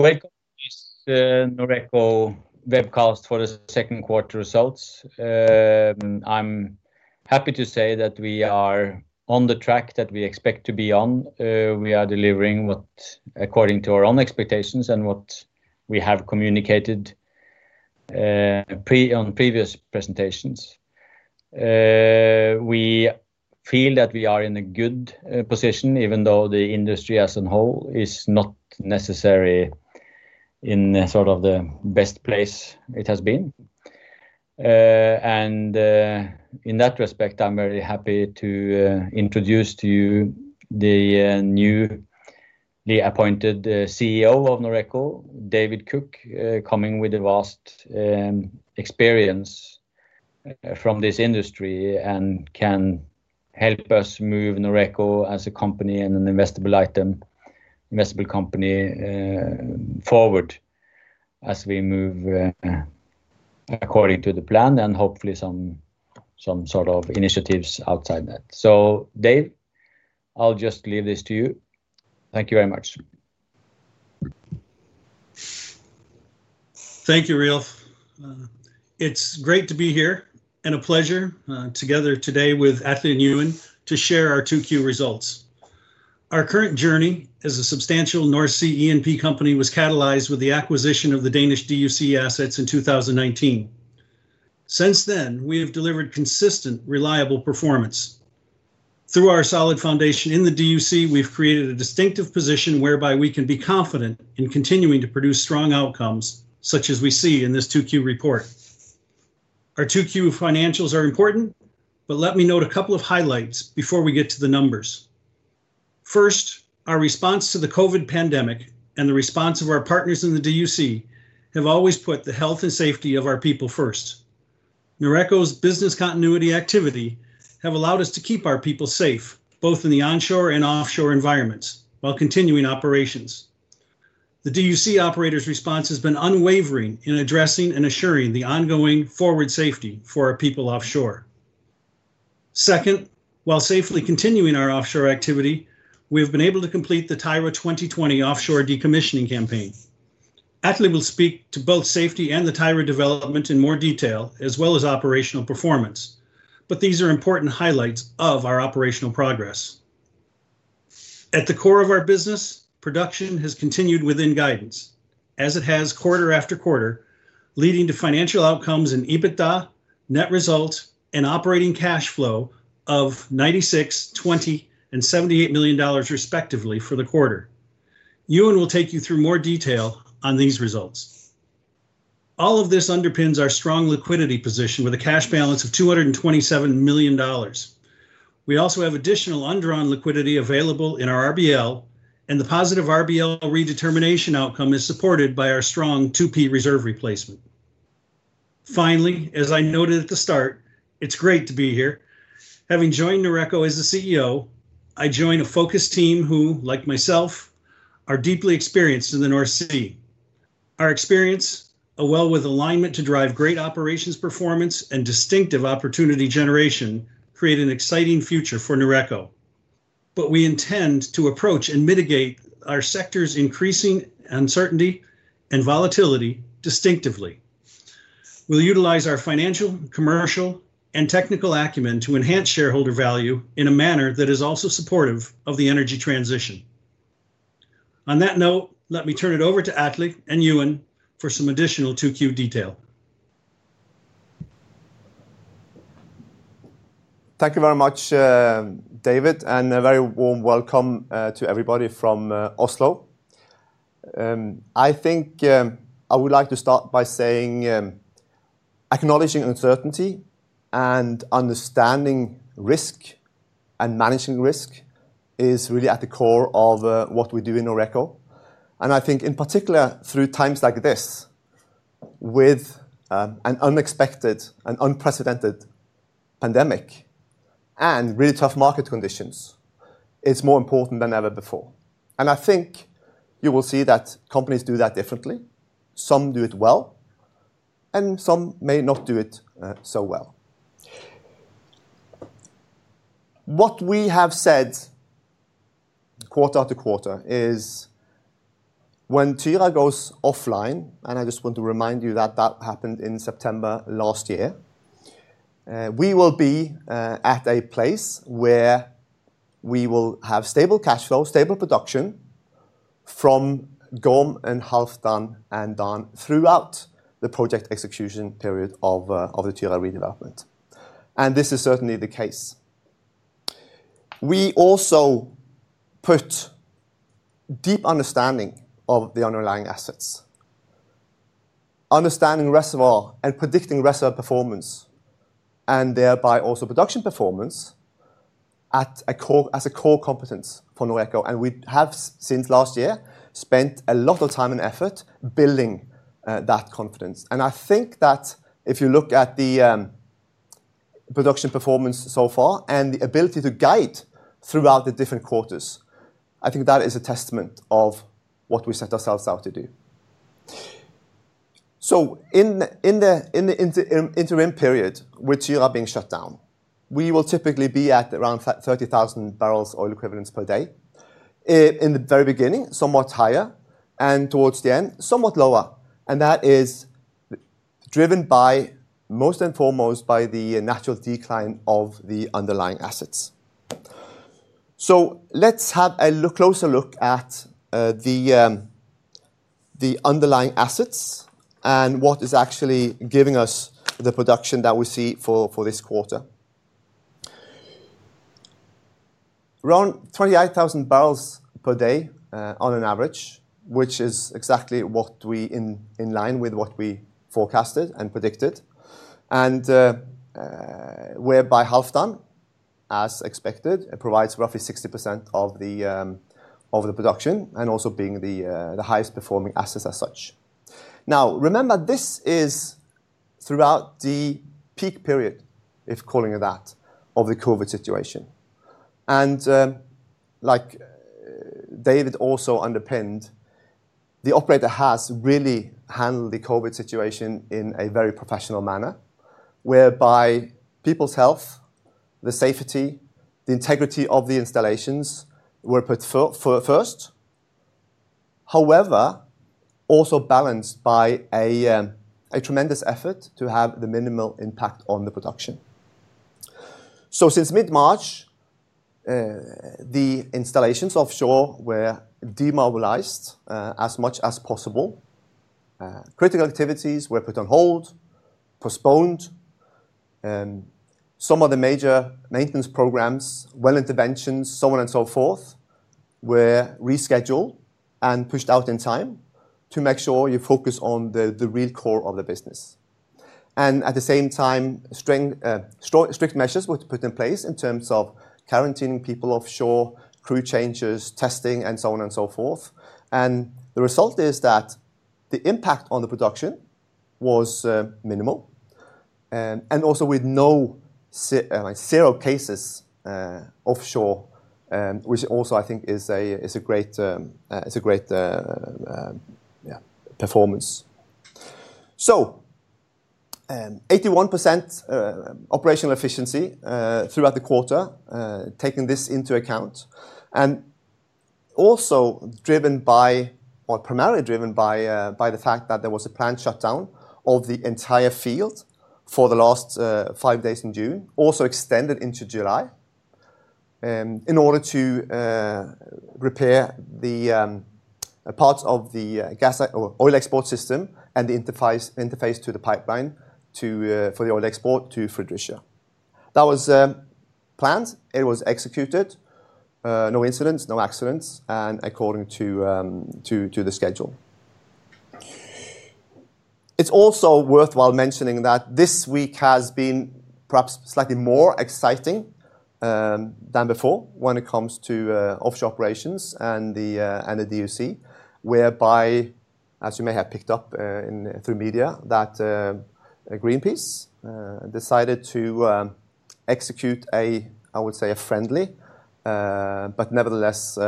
Welcome to this BlueNord webcast for the second quarter results. I'm happy to say that we are on the track that we expect to be on. We are delivering what, according to our own expectations and what we have communicated on previous presentations. We feel that we are in a good position even though the industry as a whole is not necessary in sort of the best place it has been. And in that respect, I'm very happy to introduce to you the new, the appointed CEO of BlueNord, David Cook, coming with a vast experience from this industry and can help us move BlueNord as a company and an investable item, investable company, forward as we move according to the plan and hopefully some sort of initiatives outside that. Dave, I'll just leave this to you. Thank you very much. Thank you, Riulf. It's great to be here and a pleasure together today with Atle and Euan to share our 2Q results. Our current journey as a substantial North Sea E&P company was catalyzed with the acquisition of the Danish DUC assets in 2019. Since then, we have delivered consistent, reliable performance. Through our solid foundation in the DUC, we've created a distinctive position whereby we can be confident in continuing to produce strong outcomes such as we see in this 2Q report. Our 2Q financials are important, but let me note a couple of highlights before we get to the numbers. First, our response to the COVID pandemic and the response of our partners in the DUC have always put the health and safety of our people first. BlueNord's business continuity activity have allowed us to keep our people safe, both in the onshore and offshore environments while continuing operations. The DUC operator's response has been unwavering in addressing and assuring the ongoing forward safety for our people offshore. Second, while safely continuing our offshore activity, we have been able to complete the Tyra 2020 offshore decommissioning campaign. Atle will speak to both safety and the Tyra development in more detail as well as operational performance. These are important highlights of our operational progress. At the core of our business, production has continued within guidance as it has quarter after quarter, leading to financial outcomes in EBITDA, net result, and operating cash flow of $96 million, $20 million, and $78 million respectively for the quarter. Jon will take you through more detail on these results. All of this underpins our strong liquidity position with a cash balance of $227 million. We also have additional undrawn liquidity available in our RBL. The positive RBL redetermination outcome is supported by our strong 2P reserve replacement. As I noted at the start, it's great to be here. Having joined BlueNord as the CEO, I join a focused team who, like myself, are deeply experienced in the North Sea. Our experience, a well with alignment to drive great operations performance and distinctive opportunity generation create an exciting future for BlueNord. We intend to approach and mitigate our sector's increasing uncertainty and volatility distinctively. We'll utilize our financial, commercial, and technical acumen to enhance shareholder value in a manner that is also supportive of the energy transition. On that note, let me turn it over to Atle and Euan for some additional 2Q detail. Thank you very much, David, and a very warm welcome to everybody from Oslo. I think I would like to start by saying acknowledging uncertainty and understanding risk and managing risk is really at the core of what we do in BlueNord. I think in particular through times like this with an unexpected and unprecedented pandemic and really tough market conditions, it's more important than ever before. I think you will see that companies do that differently. Some do it well, and some may not do it so well. What we have said quarter after quarter is when Tyra goes offline. I just want to remind you that that happened in September last year, we will be at a place where we will have stable cash flow, stable production from Gorm and Halfdan and Dan throughout the project execution period of the Tyra redevelopment. This is certainly the case. We also put deep understanding of the underlying assets, understanding reservoir and predicting reservoir performance and thereby also production performance at a core, as a core competence for Noreco. We have since last year spent a lot of time and effort building that confidence. I think that if you look at the production performance so far and the ability to guide throughout the different quarters, I think that is a testament of what we set ourselves out to do. In the interim period which year are being shut down, we will typically be at around 30,000 barrels oil equivalents per day. In the very beginning, somewhat higher, and towards the end, somewhat lower. That is driven by most and foremost by the natural decline of the underlying assets. Let's have a closer look at the underlying assets and what is actually giving us the production that we see for this quarter. Around 28,000 barrels per day, on an average, which is exactly what we in line with what we forecasted and predicted, whereby Halfdan, as expected, provides roughly 60% of the production and also being the highest performing assets as such. Now, remember this is throughout the peak period, if calling it that, of the COVID situation. Like David also underpinned, the operator has really handled the COVID situation in a very professional manner, whereby people's health, the safety, the integrity of the installations were put first. However, also balanced by a tremendous effort to have the minimal impact on the production. Since mid-March, the installations offshore were demobilized as much as possible. Critical activities were put on hold, postponed. Some of the major maintenance programs, well interventions, so on and so forth, were rescheduled and pushed out in time to make sure you focus on the real core of the business. At the same time, strict measures were put in place in terms of quarantining people offshore, crew changes, testing, and so on and so forth. The result is that the impact on the production was minimal and also with no like zero cases offshore, which also I think is a great performance. 81% operational efficiency throughout the quarter taking this into account, and also primarily driven by the fact that there was a planned shutdown of the entire field for the last 5 days in June, also extended into July, in order to repair the parts of the gas or oil export system and the interface to the pipeline to for the oil export to Fredericia. That was planned. It was executed, no incidents, no accidents, and according to the schedule. It's also worthwhile mentioning that this week has been perhaps slightly more exciting than before when it comes to offshore operations and the DUC, whereby, as you may have picked up in through media, that Greenpeace decided to execute a, I would say, a friendly, but nevertheless,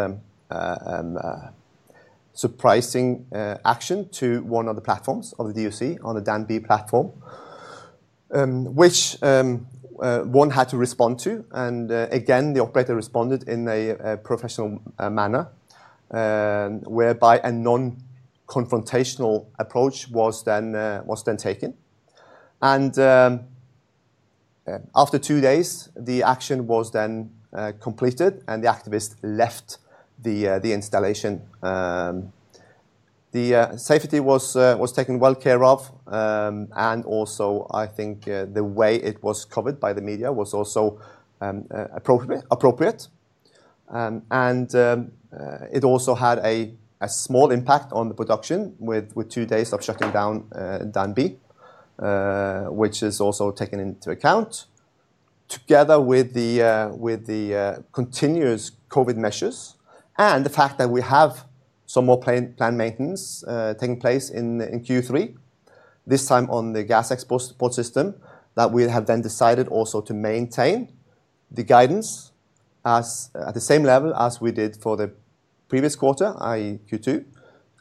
surprising action to one of the platforms of the DUC on the Dan B platform, which one had to respond to. Again, the operator responded in a professional manner, whereby a non-confrontational approach was then taken. After two days, the action was then completed, and the activist left the installation. The safety was taken well care of, and also I think the way it was covered by the media was also appropriate. It also had a small impact on the production with two days of shutting down Dan B, which is also taken into account together with the continuous COVID measures and the fact that we have some more planned maintenance taking place in Q3, this time on the gas export support system, that we have then decided also to maintain the guidance as at the same level as we did for the previous quarter, i.e. Q2,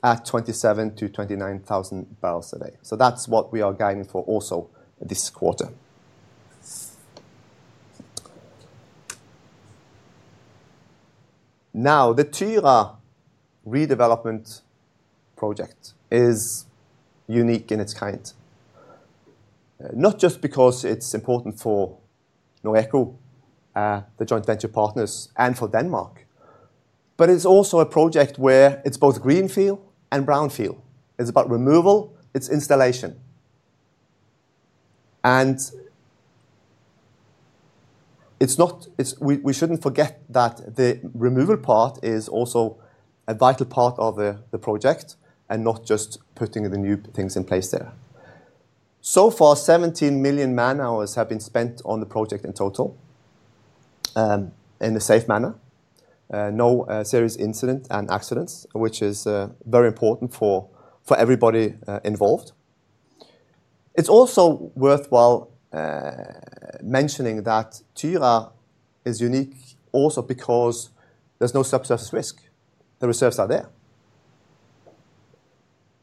at 27,000-29,000 barrels a day. That's what we are guiding for also this quarter. The Tyra redevelopment project is unique in its kind, not just because it's important for BlueNord, the joint venture partners and for Denmark, but it's also a project where it's both greenfield and brownfield. It's about removal, it's installation. It's not, we shouldn't forget that the removal part is also a vital part of the project and not just putting the new things in place there. Far 17 million man-hours have been spent on the project in total, in a safe manner. No serious incident and accidents, which is very important for everybody involved. It's also worthwhile mentioning that Tyra is unique also because there's no subsurface risk. The reserves are there.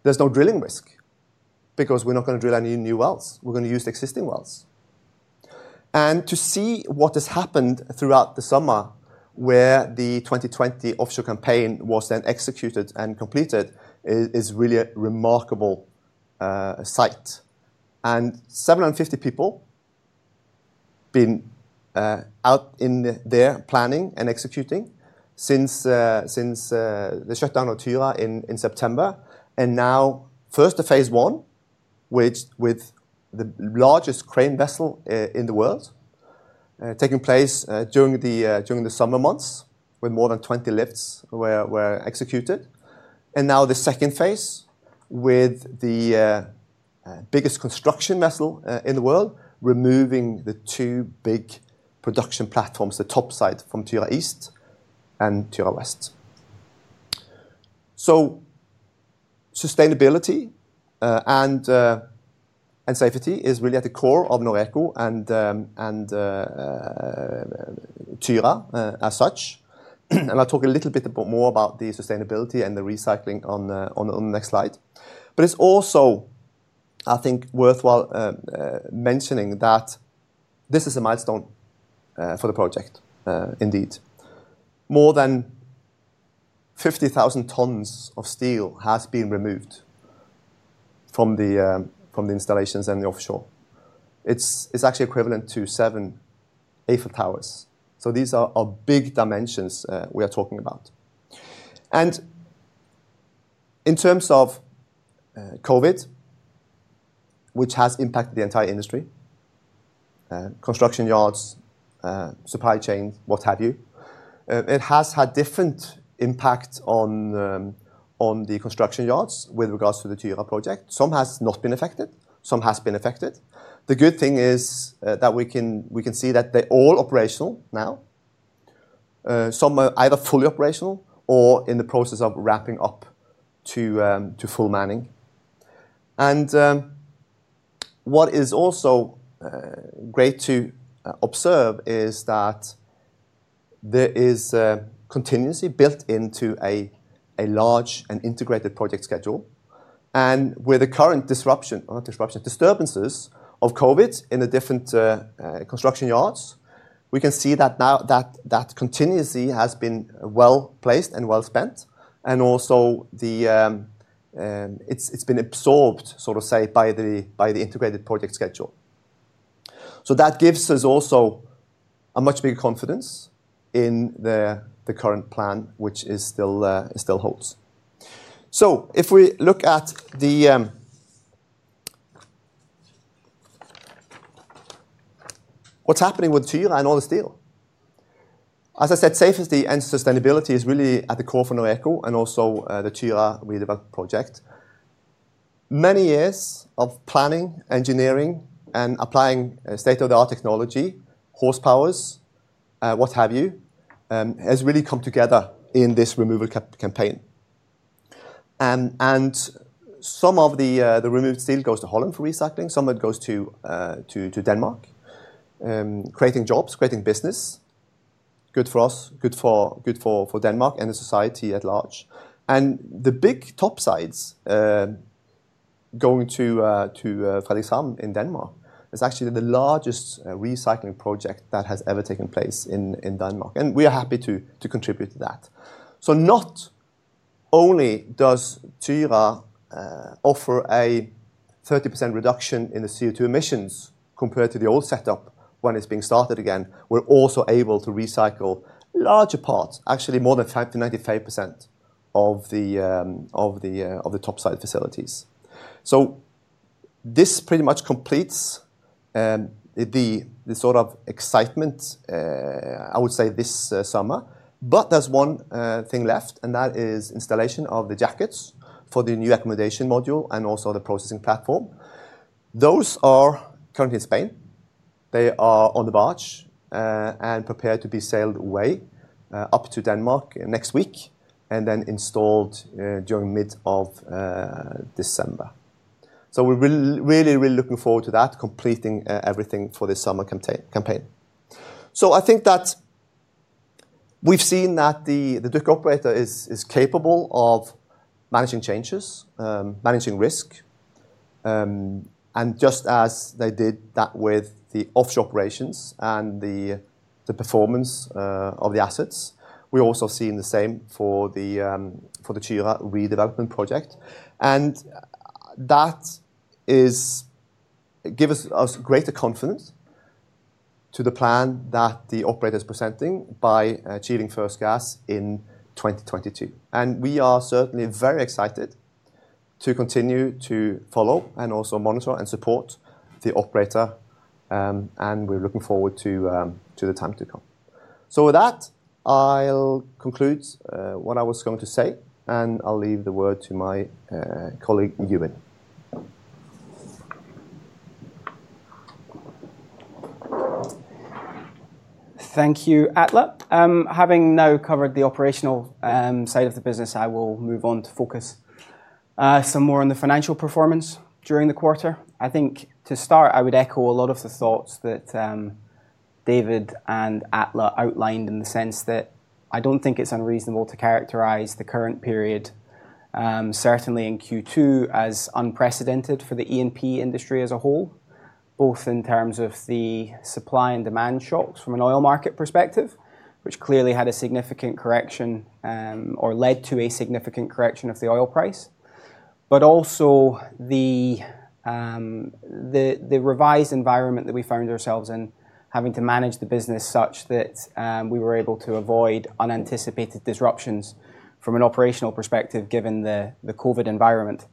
There's no drilling risk because we're not gonna drill any new wells. We're gonna use the existing wells. To see what has happened throughout the summer, where the 2020 offshore campaign was then executed and completed is really a remarkable sight. 750 people been out in the there planning and executing since the shutdown of Tyra in September. Now first the phase I, which with the largest crane vessel in the world, taking place during the summer months, when more than 20 lifts were executed. Now the second phase with the biggest construction vessel in the world, removing the two big production platforms, the topside from Tyra East and Tyra West. Sustainability and safety is really at the core of Noreco and Tyra as such. I'll talk a little bit more about the sustainability and the recycling on the next slide. It's also, I think, worthwhile mentioning that this is a milestone for the project indeed. More than 50,000 tons of steel has been removed from the installations and the offshore. It's actually equivalent to seven Eiffel Towers. These are big dimensions we are talking about. In terms of COVID, which has impacted the entire industry, construction yards, supply chain, what have you, it has had different impact on the construction yards with regards to the Tyra project. Some has not been affected, some has been affected. The good thing is that we can see that they're all operational now. Some are either fully operational or in the process of ramping up to full manning. What is also great to observe is that there is a contingency built into a large and integrated project schedule. With the current disruption, disturbances of COVID in the different construction yards, we can see that now that contingency has been well-placed and well-spent, and also it's been absorbed, so to say, by the integrated project schedule. That gives us also a much bigger confidence in the current plan, which still holds. If we look at what's happening with Tyra and all the steel, as I said, safety and sustainability is really at the core for Noreco and also the Tyra redevelopment project. Many years of planning, engineering, and applying state-of-the-art technology, horsepowers, what have you, has really come together in this removal campaign. Some of the removed steel goes to Holland for recycling, some of it goes to Denmark, creating jobs, creating business. Good for us, good for Denmark and the society at large. The big topsides going to Fredericia in Denmark is actually the largest recycling project that has ever taken place in Denmark, and we are happy to contribute to that. Not only does Tyra offer a 30% reduction in the CO2 emissions compared to the old setup when it's being started again, we're also able to recycle larger parts, actually more than 95% of the topside facilities. This pretty much completes the sort of excitement I would say this summer. There's one thing left, and that is installation of the jackets for the new accommodation module and also the processing platform. Those are currently in Spain. They are on the barge and prepared to be sailed away up to Denmark next week and then installed during mid of December. We're really looking forward to that, completing everything for this summer campaign. I think that we've seen that the DUC operator is capable of managing changes, managing risk, and just as they did that with the offshore operations and the performance of the assets, we're also seeing the same for the Tyra redevelopment project. That is give us greater confidence to the plan that the operator is presenting by achieving first gas in 2022. We are certainly very excited to continue to follow and also monitor and support the operator, and we're looking forward to the time to come. With that, I'll conclude what I was going to say, and I'll leave the word to my colleague, Euan. Thank you, Atle. Having now covered the operational side of the business, I will move on to focus some more on the financial performance during the quarter. I think to start, I would echo a lot of the thoughts that David and Atle outlined in the sense that I don't think it's unreasonable to characterize the current period, certainly in Q2 as unprecedented for the E&P industry as a whole, both in terms of the supply and demand shocks from an oil market perspective, which clearly had a significant correction or led to a significant correction of the oil price. Also the revised environment that we found ourselves in having to manage the business such that we were able to avoid unanticipated disruptions from an operational perspective, given the COVID environment.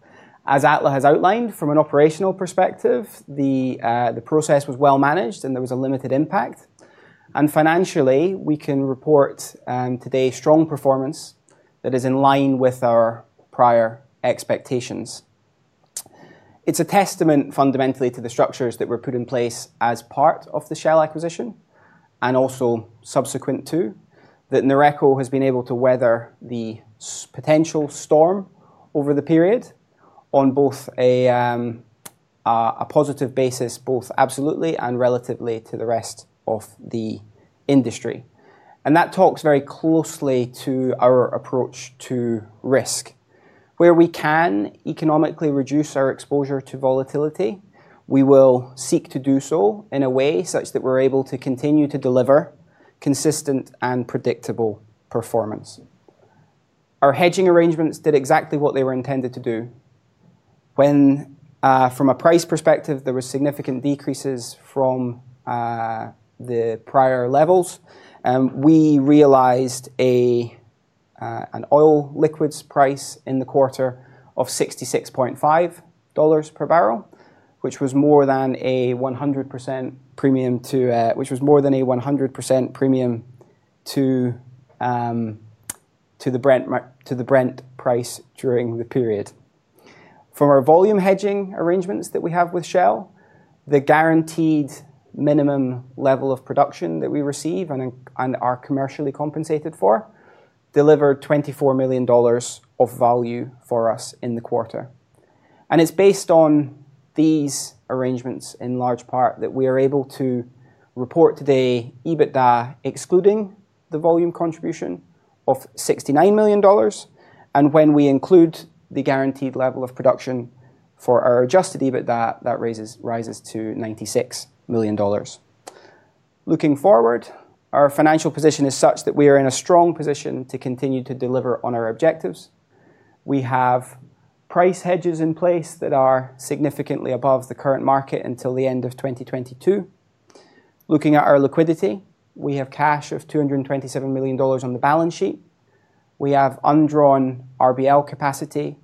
As Atle has outlined, from an operational perspective, the process was well managed, there was a limited impact. Financially, we can report today strong performance that is in line with our prior expectations. It's a testament fundamentally to the structures that were put in place as part of the Shell acquisition, also subsequent too, that Noreco has been able to weather the potential storm over the period on both a positive basis, both absolutely and relatively to the rest of the industry. That talks very closely to our approach to risk. Where we can economically reduce our exposure to volatility, we will seek to do so in a way such that we're able to continue to deliver consistent and predictable performance. Our hedging arrangements did exactly what they were intended to do. When from a price perspective, there were significant decreases from the prior levels, we realized an oil liquids price in the quarter of $66.5 per barrel, which was more than a 100% premium to the Brent price during the period. From our volume hedging arrangements that we have with Shell, the guaranteed minimum level of production that we receive and are commercially compensated for delivered $24 million of value for us in the quarter. It's based on these arrangements in large part that we are able to report today EBITDA excluding the volume contribution of $69 million. When we include the guaranteed level of production for our adjusted EBITDA, that rises to $96 million. Looking forward, our financial position is such that we are in a strong position to continue to deliver on our objectives. We have price hedges in place that are significantly above the current market until the end of 2022. Looking at our liquidity, we have cash of $227 million on the balance sheet. We have undrawn RBL capacity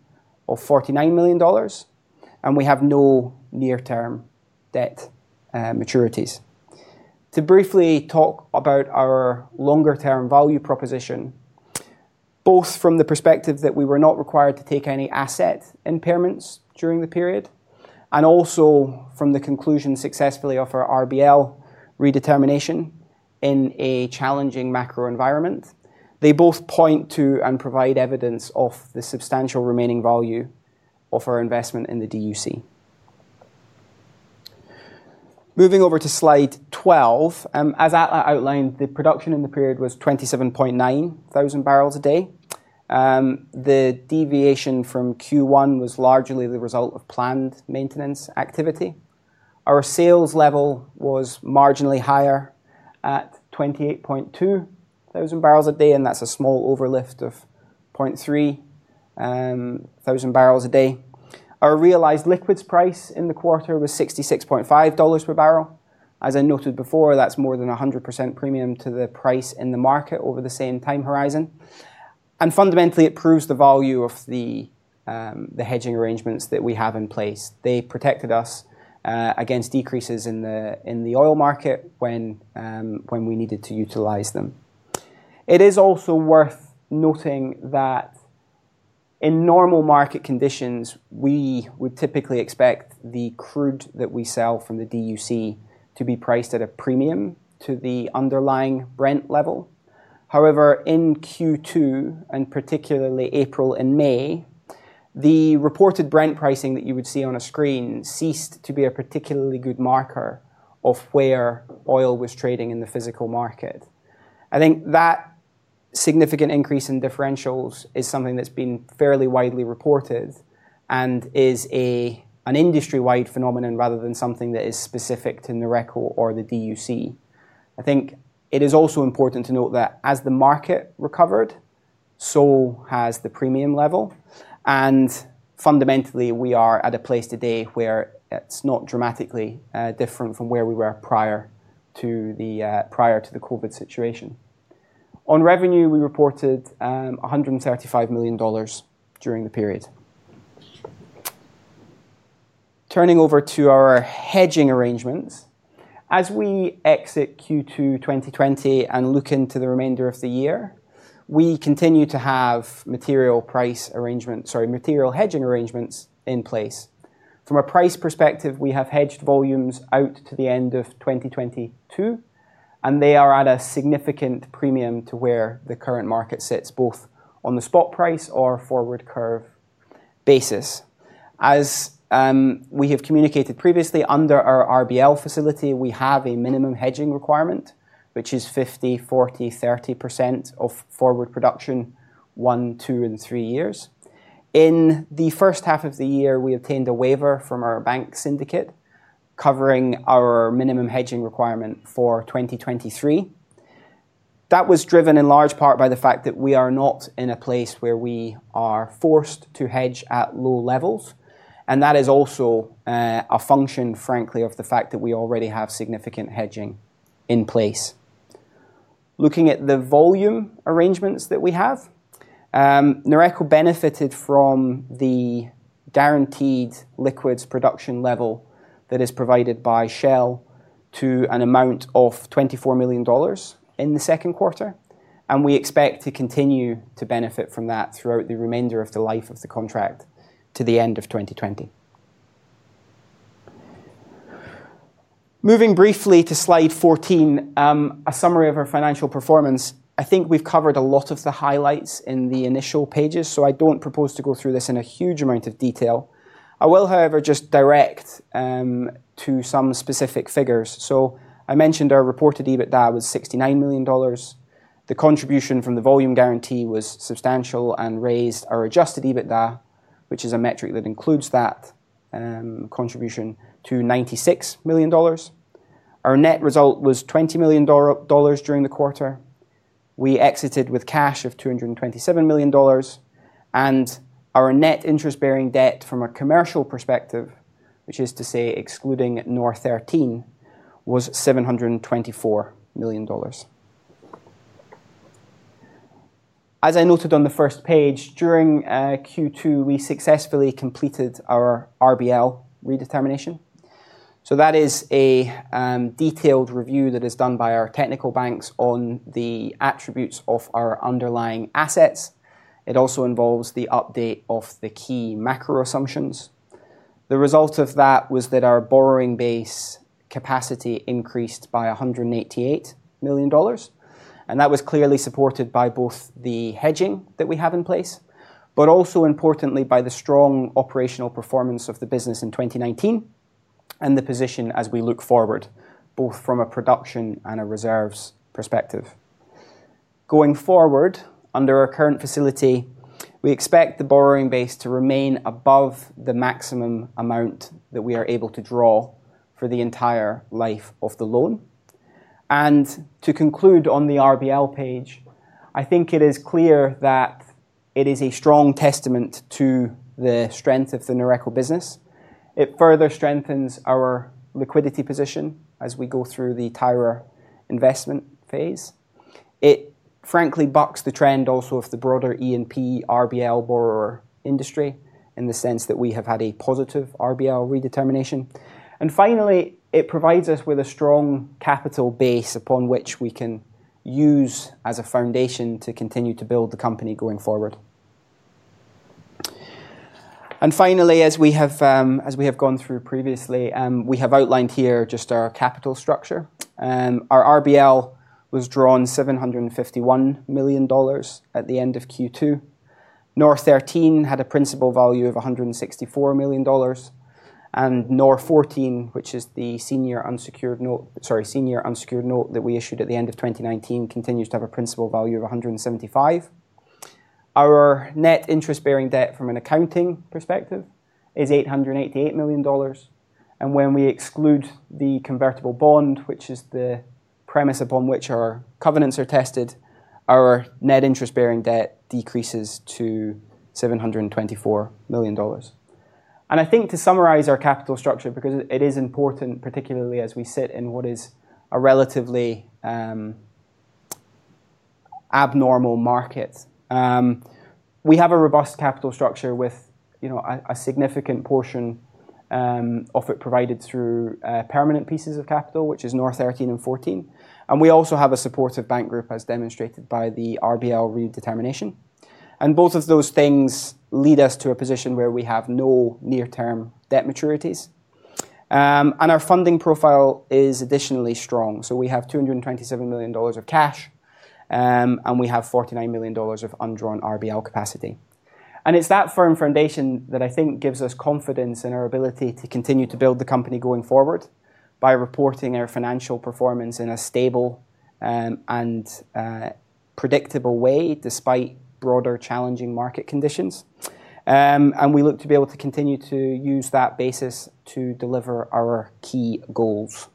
of $49 million, and we have no near-term debt maturities. To briefly talk about our longer-term value proposition, both from the perspective that we were not required to take any asset impairments during the period, and also from the conclusion successfully of our RBL redetermination in a challenging macro environment. They both point to and provide evidence of the substantial remaining value of our investment in the DUC. Moving over to slide 12. As Atle outlined, the production in the period was 27.9 thousand barrels a day. The deviation from Q1 was largely the result of planned maintenance activity. Our sales level was marginally higher at 28.2 thousand barrels a day, and that's a small overlift of 0.3 thousand barrels a day. Our realized liquids price in the quarter was $66.5 per barrel. As I noted before, that's more than a 100% premium to the price in the market over the same time horizon. Fundamentally, it proves the value of the hedging arrangements that we have in place. They protected us against decreases in the oil market when we needed to utilize them. It is also worth noting that in normal market conditions, we would typically expect the crude that we sell from the DUC to be priced at a premium to the underlying Brent level. In Q2, and particularly April and May, the reported Brent pricing that you would see on a screen ceased to be a particularly good marker of where oil was trading in the physical market. I think that significant increase in differentials is something that's been fairly widely reported and is a, an industry-wide phenomenon rather than something that is specific to Noreco or the DUC. I think it is also important to note that as the market recovered, so has the premium level. Fundamentally, we are at a place today where it's not dramatically different from where we were prior to the prior to the COVID situation. On revenue, we reported $135 million during the period. Turning over to our hedging arrangements. As we exit Q2 2020 and look into the remainder of the year, we continue to have material price arrangements, material hedging arrangements in place. From a price perspective, we have hedged volumes out to the end of 2022. They are at a significant premium to where the current market sits, both on the spot price or forward curve basis. As we have communicated previously, under our RBL facility, we have a minimum hedging requirement, which is 50%, 40%, 30% of forward production, one, two and three years. In the first half of the year, we obtained a waiver from our bank syndicate covering our minimum hedging requirement for 2023. That was driven in large part by the fact that we are not in a place where we are forced to hedge at low levels. That is also a function, frankly, of the fact that we already have significant hedging in place. Looking at the volume arrangements that we have, Noreco benefited from the guaranteed liquids production level that is provided by Shell to an amount of $24 million in the second quarter, and we expect to continue to benefit from that throughout the remainder of the life of the contract to the end of 2020. Moving briefly to slide 14, a summary of our financial performance. I think we've covered a lot of the highlights in the initial pages, so I don't propose to go through this in a huge amount of detail. I will, however, just direct to some specific figures. I mentioned our reported EBITDA was $69 million. The contribution from the volume guarantee was substantial and raised our adjusted EBITDA, which is a metric that includes that contribution to $96 million. Our net result was $20 million during the quarter. We exited with cash of $227 million, and our net interest-bearing debt from a commercial perspective, which is to say excluding NOR13, was $724 million. As I noted on the first page, during Q2, we successfully completed our RBL redetermination. That is a detailed review that is done by our technical banks on the attributes of our underlying assets. It also involves the update of the key macro assumptions. The result of that was that our borrowing base capacity increased by $188 million, that was clearly supported by both the hedging that we have in place, but also importantly by the strong operational performance of the business in 2019 and the position as we look forward, both from a production and a reserves perspective. Going forward, under our current facility, we expect the borrowing base to remain above the maximum amount that we are able to draw for the entire life of the loan. To conclude on the RBL page, I think it is clear that it is a strong testament to the strength of the Noreco business. It further strengthens our liquidity position as we go through the Tyra investment phase. It frankly bucks the trend also of the broader E&P RBL borrower industry in the sense that we have had a positive RBL redetermination. Finally, it provides us with a strong capital base upon which we can use as a foundation to continue to build the company going forward. Finally, as we have, as we have gone through previously, we have outlined here just our capital structure. Our RBL was drawn $751 million at the end of Q2. NOR13 had a principal value of $164 million, and NOR14, which is the senior unsecured note that we issued at the end of 2019 continues to have a principal value of $175 million. Our net interest-bearing debt from an accounting perspective is $888 million. When we exclude the convertible bond, which is the premise upon which our covenants are tested, our net interest-bearing debt decreases to $724 million. I think to summarize our capital structure, because it is important, particularly as we sit in what is a relatively abnormal market. We have a robust capital structure with, you know, a significant portion of it provided through permanent pieces of capital, which is NOR13 and NOR14. We also have a supportive bank group as demonstrated by the RBL redetermination. Both of those things lead us to a position where we have no near term debt maturities. Our funding profile is additionally strong. We have $227 million of cash, and we have $49 million of undrawn RBL capacity. It's that firm foundation that I think gives us confidence in our ability to continue to build the company going forward by reporting our financial performance in a stable, and predictable way despite broader challenging market conditions. We look to be able to continue to use that basis to deliver our key goals.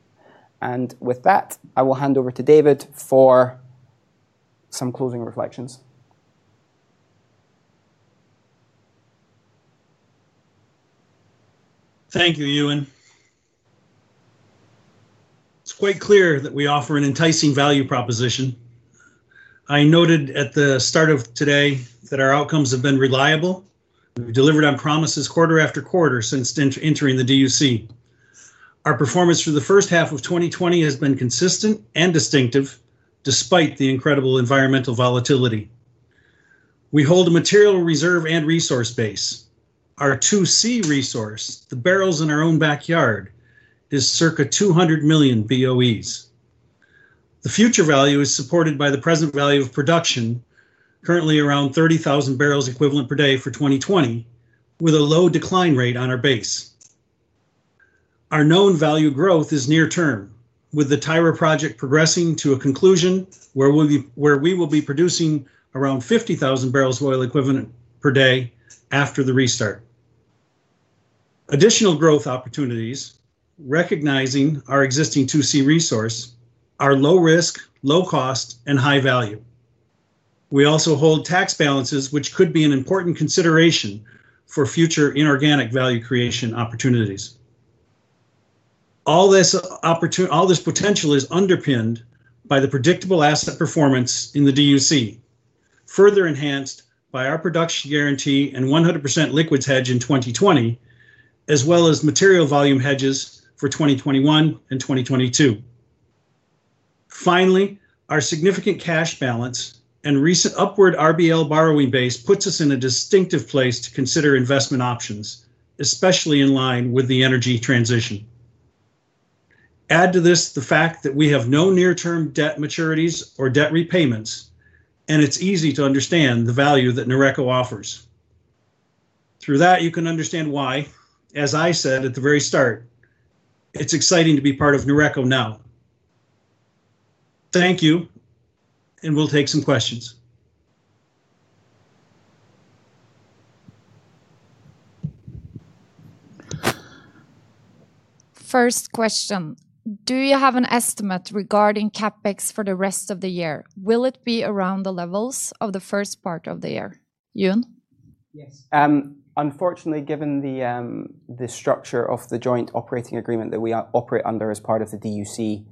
With that, I will hand over to David for some closing reflections. Thank you, Euan. It's quite clear that we offer an enticing value proposition. I noted at the start of today that our outcomes have been reliable. We've delivered on promises quarter after quarter since entering the DUC. Our performance through the first half of 2020 has been consistent and distinctive despite the incredible environmental volatility. We hold a material reserve and resource base. Our 2C resource, the barrels in our own backyard, is circa 200 million BOEs. The future value is supported by the present value of production, currently around 30,000 barrels equivalent per day for 2020, with a low decline rate on our base. Our known value growth is near-term, with the Tyra project progressing to a conclusion where we will be producing around 50,000 barrels oil equivalent per day after the restart. Additional growth opportunities, recognizing our existing 2C resource, are low risk, low cost, and high value. We also hold tax balances, which could be an important consideration for future inorganic value creation opportunities. All this potential is underpinned by the predictable asset performance in the DUC, further enhanced by our production guarantee and 100% liquids hedge in 2020, as well as material volume hedges for 2021 and 2022. Finally, our significant cash balance and recent upward RBL borrowing base puts us in a distinctive place to consider investment options, especially in line with the energy transition. It's easy to understand the value that Noreco offers. Through that, you can understand why, as I said at the very start, it's exciting to be part of Noreco now. Thank you, and we'll take some questions. First question, do you have an estimate regarding CapEx for the rest of the year? Will it be around the levels of the first part of the year? Euan? Yes. unfortunately, given the structure of the joint operating agreement that we operate under as part of the DUC,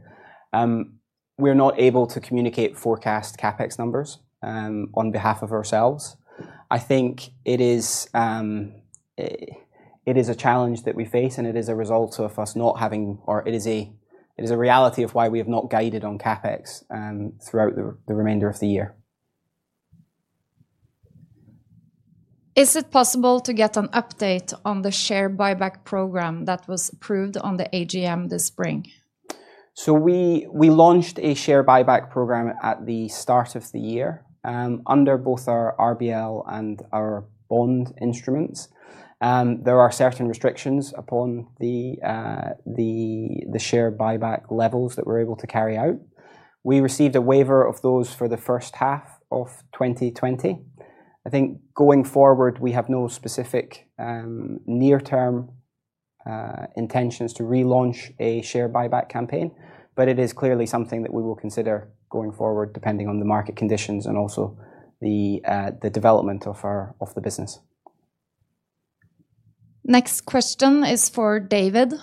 we're not able to communicate forecast CapEx numbers on behalf of ourselves. I think it is, it is a challenge that we face, and it is a result of us not having... it is a reality of why we have not guided on CapEx throughout the remainder of the year. Is it possible to get an update on the share buyback program that was approved on the AGM this spring? We launched a share buyback program at the start of the year, under both our RBL and our bond instruments. There are certain restrictions upon the share buyback levels that we're able to carry out. We received a waiver of those for the first half of 2020. I think going forward, we have no specific near-term intentions to relaunch a share buyback campaign. It is clearly something that we will consider going forward, depending on the market conditions and also the development of our business. Next question is for David.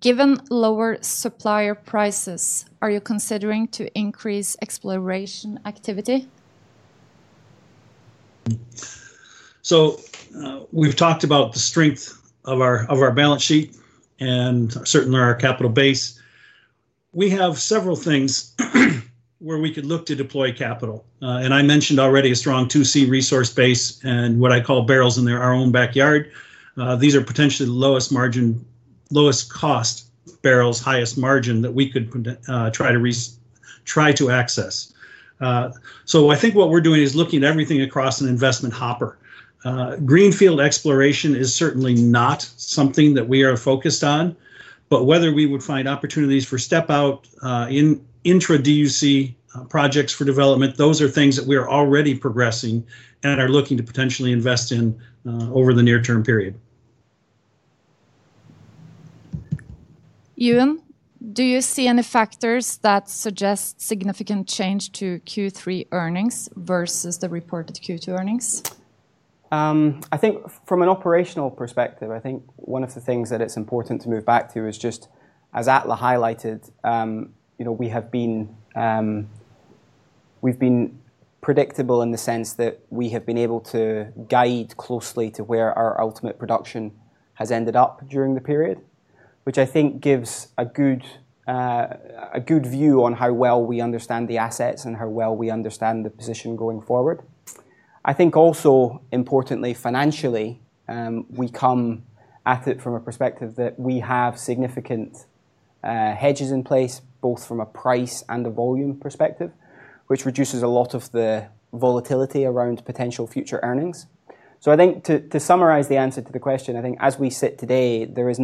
Given lower supplier prices, are you considering to increase exploration activity? We've talked about the strength of our, of our balance sheet and certainly our capital base. We have several things where we could look to deploy capital. I mentioned already a strong 2C resource base and what I call barrels in their, our own backyard. These are potentially the lowest margin, lowest cost barrels, highest margin that we could try to access. I think what we're doing is looking at everything across an investment hopper. Greenfield exploration is certainly not something that we are focused on. Whether we would find opportunities for step out, in intra-DUC projects for development, those are things that we are already progressing and are looking to potentially invest in over the near-term period. Euan, do you see any factors that suggest significant change to Q3 earnings versus the reported Q2 earnings? I think from an operational perspective, I think one of the things that it's important to move back to is just, as Atle highlighted, you know, we have been, we've been predictable in the sense that we have been able to guide closely to where our ultimate production has ended up during the period, which I think gives a good, a good view on how well we understand the assets and how well we understand the position going forward. I think also importantly financially, we come at it from a perspective that we have significant hedges in place, both from a price and a volume perspective, which reduces a lot of the volatility around potential future earnings. I think to summarize the answer to the question, I think as we sit today, there is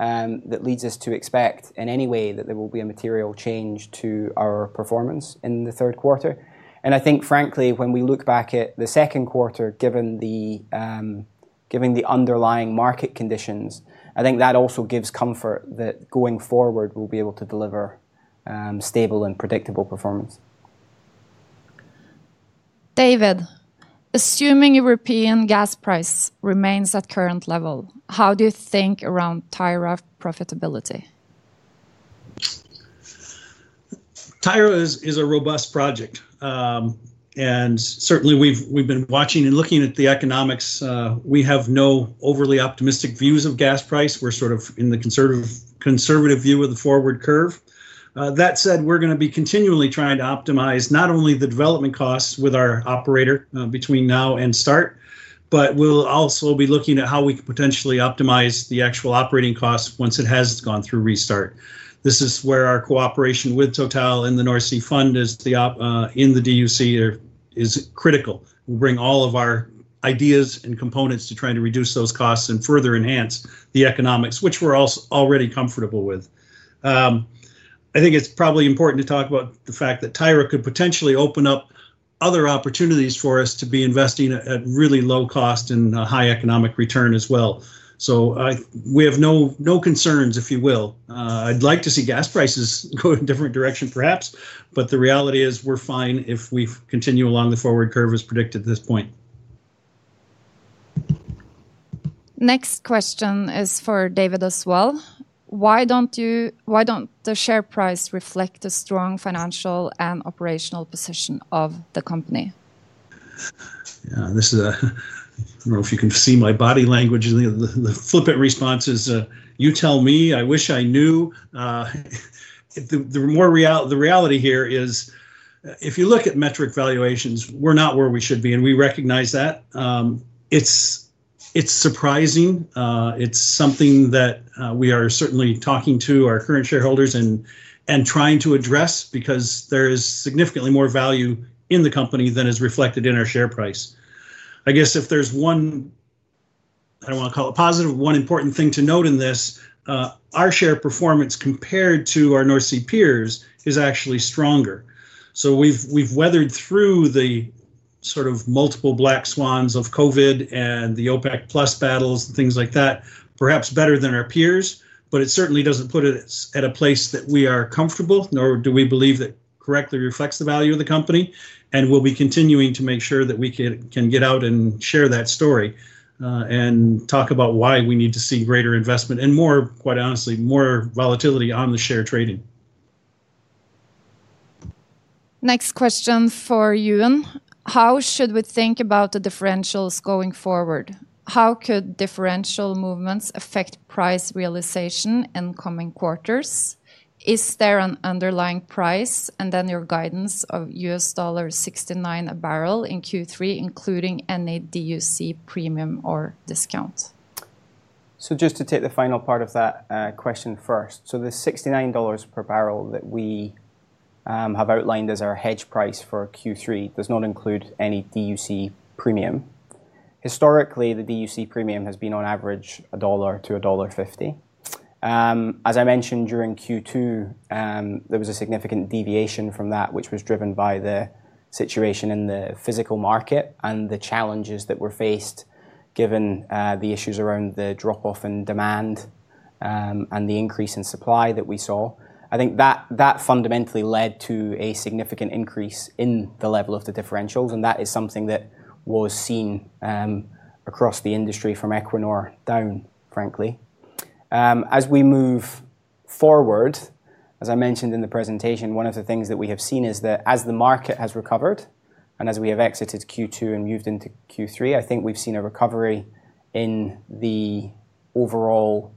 nothing that leads us to expect in any way that there will be a material change to our performance in the third quarter. I think frankly, when we look back at the second quarter, given the given the underlying market conditions, I think that also gives comfort that going forward, we'll be able to deliver stable and predictable performance. David, assuming European gas price remains at current level, how do you think around Tyra profitability? Tyra is a robust project. Certainly we've been watching and looking at the economics. We have no overly optimistic views of gas price. We're sort of in the conservative view of the forward curve. That said, we're gonna be continually trying to optimize not only the development costs with our operator between now and start, but we'll also be looking at how we can potentially optimize the actual operating costs once it has gone through restart. This is where our cooperation with Total and the North Sea Fund in the DUC is critical. We'll bring all of our ideas and components to try to reduce those costs and further enhance the economics, which we're already comfortable with. I think it's probably important to talk about the fact that Tyra could potentially open up other opportunities for us to be investing at really low cost and high economic return as well. We have no concerns, if you will. I'd like to see gas prices go in a different direction perhaps, but the reality is we're fine if we continue along the forward curve as predicted at this point. Next question is for David as well. Why don't the share price reflect the strong financial and operational position of the company? Yeah, I don't know if you can see my body language. The flippant response is, "You tell me. I wish I knew." The reality here is if you look at metric valuations, we're not where we should be, and we recognize that. It's surprising. It's something that we are certainly talking to our current shareholders and trying to address because there is significantly more value in the company than is reflected in our share price. I guess if there's one, I don't wanna call it positive, one important thing to note in this, our share performance compared to our North Sea peers is actually stronger. We've weathered through the sort of multiple black swans of COVID and the OPEC+ battles and things like that, perhaps better than our peers, but it certainly doesn't put it at a place that we are comfortable, nor do we believe that correctly reflects the value of the company, and we'll be continuing to make sure that we can get out and share that story and talk about why we need to see greater investment and more, quite honestly, more volatility on the share trading. Next question is for Euan. How should we think about the differentials going forward? How could differential movements affect price realization in coming quarters? Is there an underlying price? Your guidance of $69 a barrel in Q3 including any DUC premium or discount. Just to take the final part of that question first. The $69 per barrel that we have outlined as our hedge price for Q3 does not include any DUC premium. Historically, the DUC premium has been on average $1-$1.50. As I mentioned during Q2, there was a significant deviation from that which was driven by the situation in the physical market and the challenges that were faced given the issues around the drop-off in demand and the increase in supply that we saw. I think that fundamentally led to a significant increase in the level of the differentials, and that is something that was seen across the industry from Equinor down, frankly. As we move forward, as I mentioned in the presentation, one of the things that we have seen is that as the market has recovered, and as we have exited Q2 and moved into Q3, I think we've seen a recovery in the overall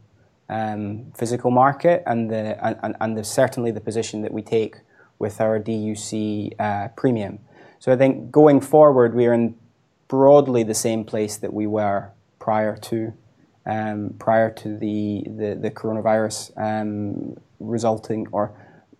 physical market and the and certainly the position that we take with our DUC premium. I think going forward, we are in broadly the same place that we were prior to prior to the coronavirus resulting or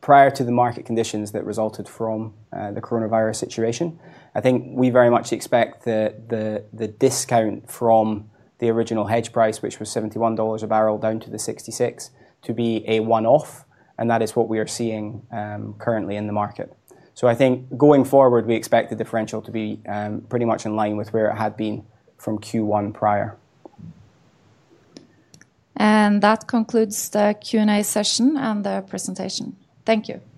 prior to the market conditions that resulted from the coronavirus situation. I think we very much expect the discount from the original hedge price, which was $71 a barrel down to the $66, to be a one-off, and that is what we are seeing currently in the market. I think going forward, we expect the differential to be pretty much in line with where it had been from Q1 prior. That concludes the Q&A session and the presentation. Thank you.